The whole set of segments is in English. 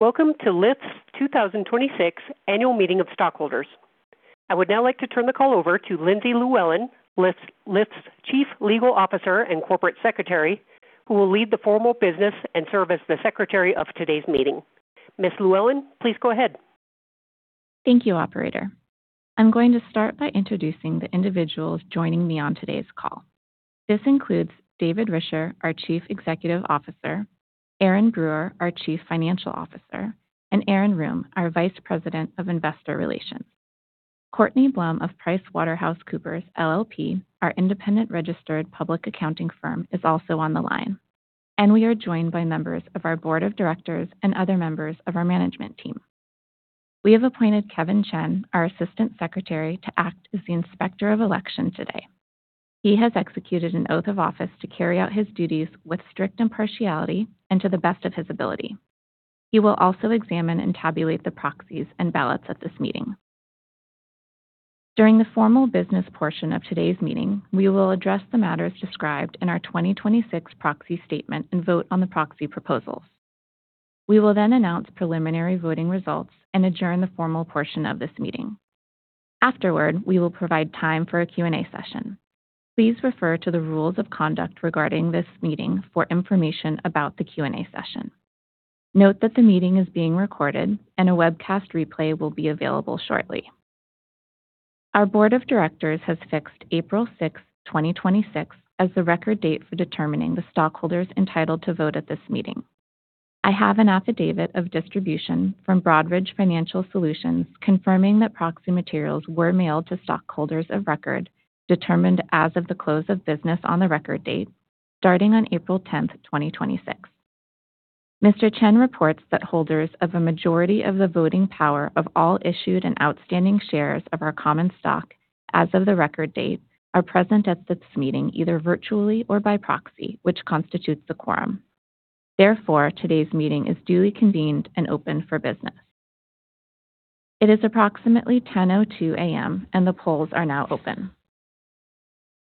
Welcome to Lyft's 2026 annual meeting of stockholders. I would now like to turn the call over to Lindsay Llewellyn, Lyft's Chief Legal Officer and Corporate Secretary, who will lead the formal business and serve as the secretary of today's meeting. Ms. Llewellyn, please go ahead. Thank you, operator. I'm going to start by introducing the individuals joining me on today's call. This includes David Risher, our Chief Executive Officer, Erin Brewer, our Chief Financial Officer, and Erin Rheaume, our Vice President of Investor Relations. Courtney Blum of PricewaterhouseCoopers LLP, our independent registered public accounting firm, is also on the line. We are joined by members of our board of directors and other members of our management team. We have appointed Kevin Chen, our assistant secretary, to act as the inspector of election today. He has executed an oath of office to carry out his duties with strict impartiality and to the best of his ability. He will also examine and tabulate the proxies and ballots at this meeting. During the formal business portion of today's meeting, we will address the matters described in our 2026 proxy statement and vote on the proxy proposals. We will announce preliminary voting results and adjourn the formal portion of this meeting. Afterward, we will provide time for a Q&A session. Please refer to the rules of conduct regarding this meeting for information about the Q&A session. Note that the meeting is being recorded, and a webcast replay will be available shortly. Our board of directors has fixed April 6th, 2026 as the record date for determining the stockholders entitled to vote at this meeting. I have an affidavit of distribution from Broadridge Financial Solutions confirming that proxy materials were mailed to stockholders of record, determined as of the close of business on the record date, starting on April 10th, 2026. Mr. Chen reports that holders of a majority of the voting power of all issued and outstanding shares of our common stock as of the record date are present at this meeting, either virtually or by proxy, which constitutes a quorum. Today's meeting is duly convened and open for business. It is approximately 10:02 A.M. The polls are now open.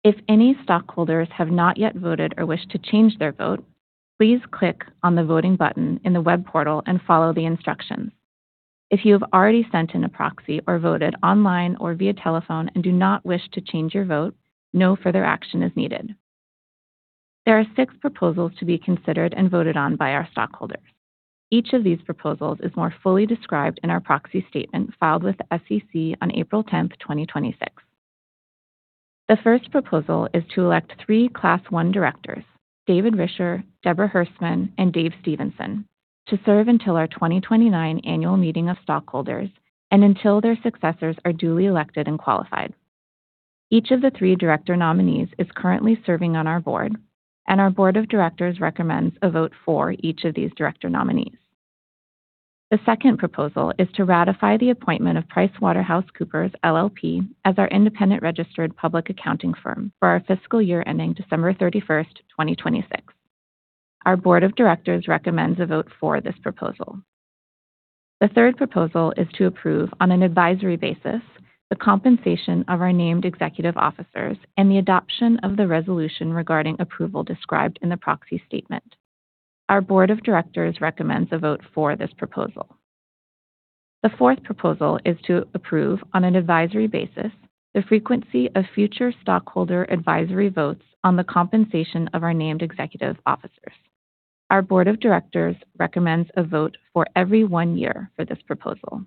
If any stockholders have not yet voted or wish to change their vote, please click on the voting button in the web portal and follow the instructions. If you have already sent in a proxy or voted online or via telephone and do not wish to change your vote, no further action is needed. There are six proposals to be considered and voted on by our stockholders. Each of these proposals is more fully described in our proxy statement filed with the SEC on April 10th, 2026. The first proposal is to elect three Class I directors, David Risher, Deborah Hersman, and Dave Stephenson, to serve until our 2029 annual meeting of stockholders and until their successors are duly elected and qualified. Each of the three director nominees is currently serving on our board, and our board of directors recommends a vote for each of these director nominees. The second proposal is to ratify the appointment of PricewaterhouseCoopers LLP as our independent registered public accounting firm for our fiscal year ending December 31st, 2026. Our board of directors recommends a vote for this proposal. The third proposal is to approve, on an advisory basis, the compensation of our named executive officers and the adoption of the resolution regarding approval described in the proxy statement. Our board of directors recommends a vote for this proposal. The fourth proposal is to approve, on an advisory basis, the frequency of future stockholder advisory votes on the compensation of our named executive officers. Our board of directors recommends a vote for every one year for this proposal.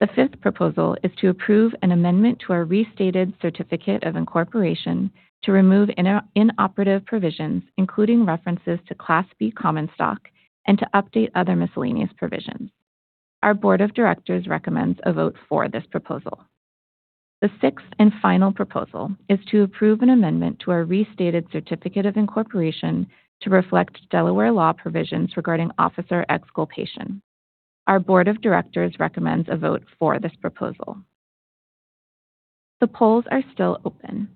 The fifth proposal is to approve an amendment to our restated certificate of incorporation to remove inoperative provisions, including references to Class B common stock and to update other miscellaneous provisions. Our board of directors recommends a vote for this proposal. The sixth and final proposal is to approve an amendment to our restated certificate of incorporation to reflect Delaware law provisions regarding officer exculpation. Our board of directors recommends a vote for this proposal. The polls are still open.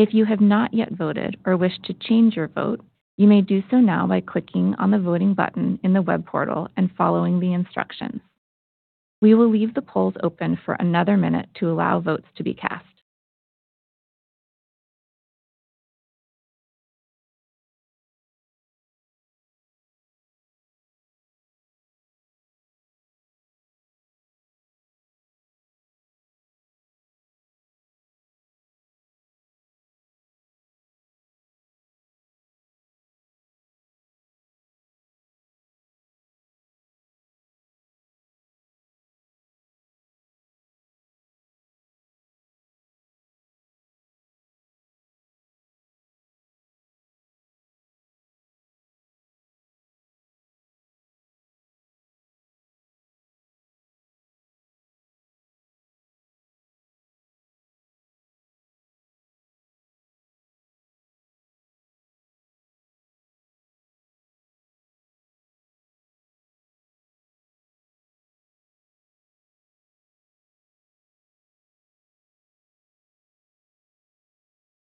If you have not yet voted or wish to change your vote, you may do so now by clicking on the voting button in the web portal and following the instructions. We will leave the polls open for another minute to allow votes to be cast.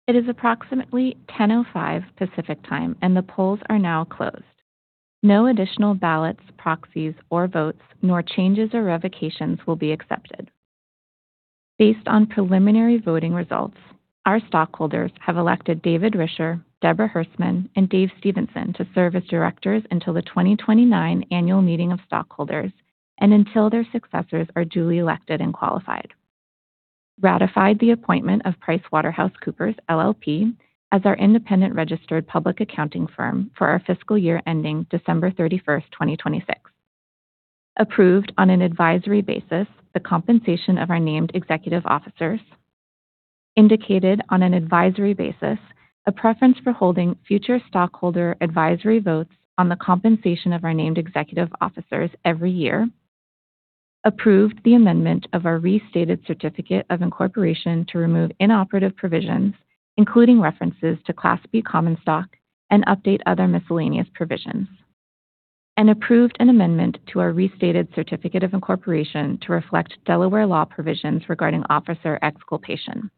It is approximately 10:05 Pacific Time, and the polls are now closed. No additional ballots, proxies, or votes, nor changes or revocations will be accepted. Based on preliminary voting results, our stockholders have elected David Risher, Deborah Hersman, and Dave Stephenson to serve as directors until the 2029 annual meeting of stockholders and until their successors are duly elected and qualified. Ratified the appointment of PricewaterhouseCoopers LLP, as our independent registered public accounting firm for our fiscal year ending December 31st, 2026. Approved, on an advisory basis, the compensation of our named executive officers. Indicated, on an advisory basis, a preference for holding future stockholder advisory votes on the compensation of our named executive officers every year. Approved the amendment of our restated certificate of incorporation to remove inoperative provisions, including references to Class B common stock, and update other miscellaneous provisions. Approved an amendment to our restated certificate of incorporation to reflect Delaware law provisions regarding officer exculpation.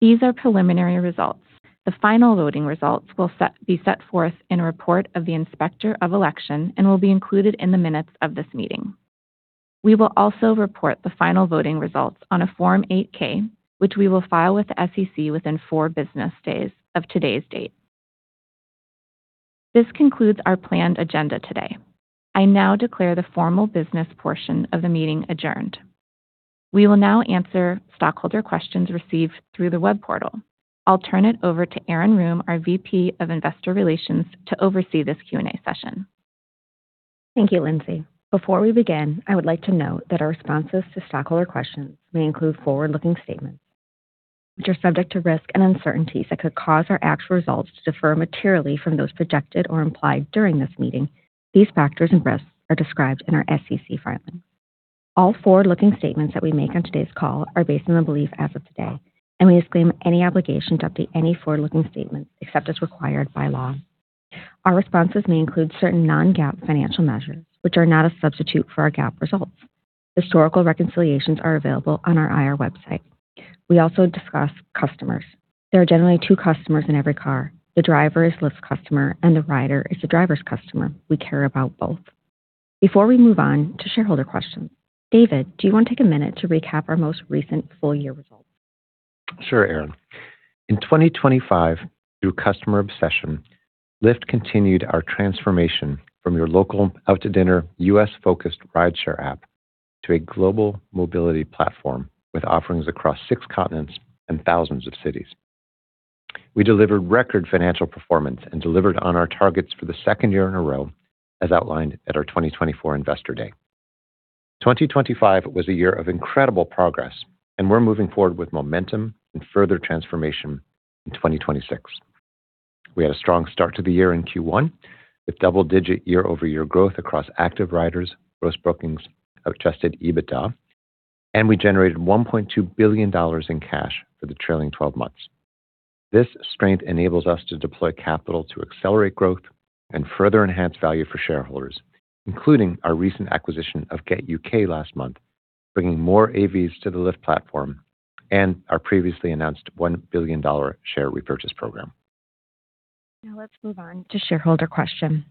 These are preliminary results. The final voting results will be set forth in a report of the inspector of election and will be included in the minutes of this meeting. We will also report the final voting results on a Form 8-K, which we will file with the SEC within four business days of today's date. This concludes our planned agenda today. I now declare the formal business portion of the meeting adjourned. We will now answer stockholder questions received through the web portal. I'll turn it over to Erin Rheaume, our VP of Investor Relations, to oversee this Q&A session. Thank you, Lindsay. Before we begin, I would like to note that our responses to stockholder questions may include forward-looking statements, which are subject to risks and uncertainties that could cause our actual results to differ materially from those projected or implied during this meeting. These factors and risks are described in our SEC filings. All forward-looking statements that we make on today's call are based on the belief as of today. We disclaim any obligation to update any forward-looking statements except as required by law. Our responses may include certain non-GAAP financial measures, which are not a substitute for our GAAP results. Historical reconciliations are available on our IR website. We also discuss customers. There are generally two customers in every car. The driver is Lyft's customer, and the rider is the driver's customer. We care about both. Before we move on to shareholder questions, David, do you want to take a minute to recap our most recent full-year results? Sure, Erin. In 2025, through customer obsession, Lyft continued our transformation from your local, out-to-dinner, US-focused rideshare app to a global mobility platform with offerings across six continents and thousands of cities. We delivered record financial performance and delivered on our targets for the second year in a row, as outlined at our 2024 Investor Day. 2025 was a year of incredible progress, we're moving forward with momentum and further transformation in 2026. We had a strong start to the year in Q1 with double-digit year-over-year growth across active riders, gross bookings, adjusted EBITDA, and we generated $1.2 billion in cash for the trailing 12 months. This strength enables us to deploy capital to accelerate growth and further enhance value for shareholders, including our recent acquisition of Gett U.K. last month, bringing more AVs to the Lyft platform and our previously announced $1 billion share repurchase program. Now let's move on to shareholder questions.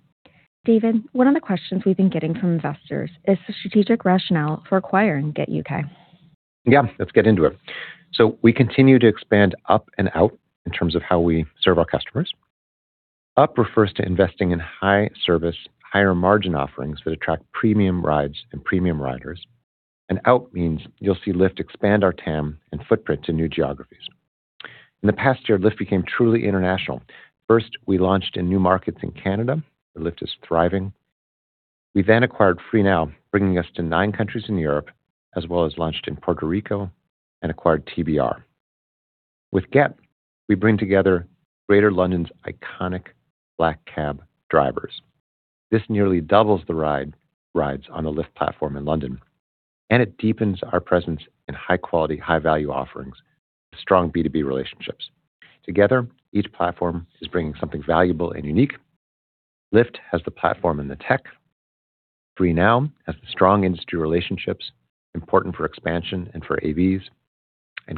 David, one of the questions we've been getting from investors is the strategic rationale for acquiring Gett U.K. Yeah. Let's get into it. We continue to expand up and out in terms of how we serve our customers. Up refers to investing in high-service, higher-margin offerings that attract premium rides and premium riders. Out means you'll see Lyft expand our TAM and footprint to new geographies. In the past year, Lyft became truly international. First, we launched in new markets in Canada, where Lyft is thriving. We then acquired Freenow, bringing us to nine countries in Europe, as well as launched in Puerto Rico and acquired TBR. With Gett, we bring together Greater London's iconic black cab drivers. This nearly doubles the rides on the Lyft platform in London, and it deepens our presence in high-quality, high-value offerings with strong B2B relationships. Together, each platform is bringing something valuable and unique. Lyft has the platform and the tech. FreeNow has the strong industry relationships, important for expansion and for AVs.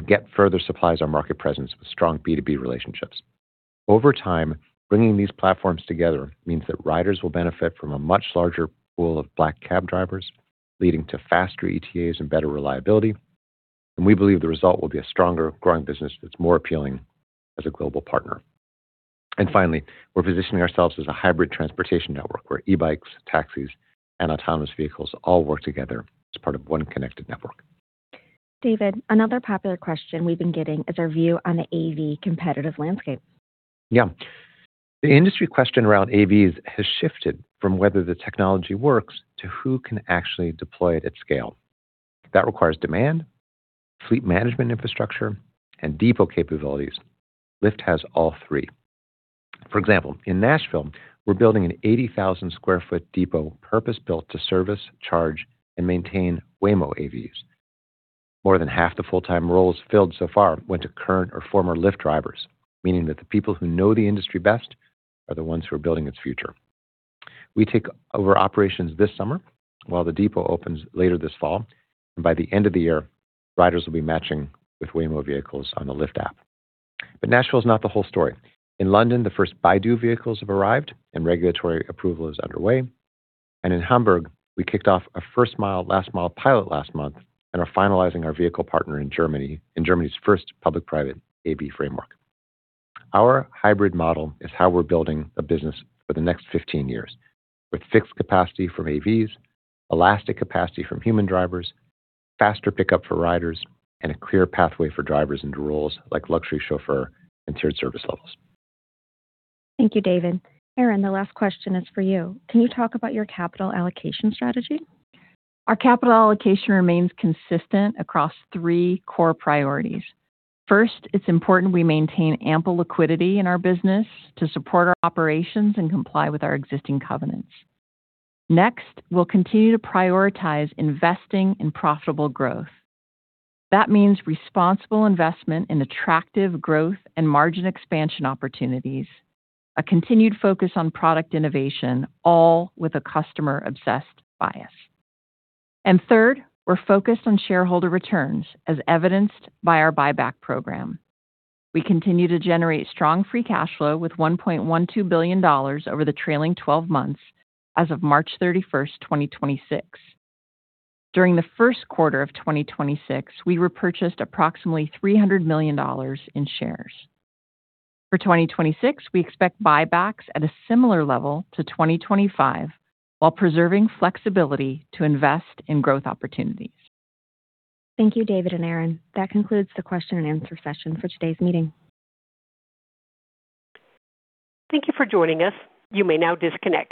Gett further supplies our market presence with strong B2B relationships. Over time, bringing these platforms together means that riders will benefit from a much larger pool of black cab drivers, leading to faster ETAs and better reliability. We believe the result will be a stronger growing business that's more appealing as a global partner. Finally, we're positioning ourselves as a hybrid transportation network where e-bikes, taxis, and autonomous vehicles all work together as part of one connected network. David, another popular question we've been getting is our view on the AV competitive landscape. Yeah. The industry question around AVs has shifted from whether the technology works to who can actually deploy it at scale. That requires demand, fleet management infrastructure, and depot capabilities. Lyft has all three. For example, in Nashville, we're building an 80,000 sq ft depot purpose-built to service, charge, and maintain Waymo AVs. More than half the full-time roles filled so far went to current or former Lyft drivers, meaning that the people who know the industry best are the ones who are building its future. We take over operations this summer, while the depot opens later this fall, and by the end of the year, riders will be matching with Waymo vehicles on the Lyft app. Nashville is not the whole story. In London, the first Baidu vehicles have arrived, and regulatory approval is underway. In Hamburg, we kicked off a first-mile, last-mile pilot last month and are finalizing our vehicle partner in Germany's first public-private AV framework. Our hybrid model is how we're building a business for the next 15 years, with fixed capacity from AVs, elastic capacity from human drivers, faster pickup for riders, and a clear pathway for drivers into roles like luxury chauffeur and tiered service levels. Thank you, David. Erin, the last question is for you. Can you talk about your capital allocation strategy? Our capital allocation remains consistent across three core priorities. First, it's important we maintain ample liquidity in our business to support our operations and comply with our existing covenants. Next, we'll continue to prioritize investing in profitable growth. That means responsible investment in attractive growth and margin expansion opportunities, a continued focus on product innovation, all with a customer-obsessed bias. And third, we're focused on shareholder returns, as evidenced by our buyback program. We continue to generate strong free cash flow with $1.12 billion over the trailing 12 months as of March 31st, 2026. During the first quarter of 2026, we repurchased approximately $300 million in shares. For 2026, we expect buybacks at a similar level to 2025 while preserving flexibility to invest in growth opportunities. Thank you, David and Erin. That concludes the question and answer session for today's meeting. Thank you for joining us. You may now disconnect.